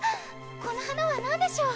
この花はなんでしょう？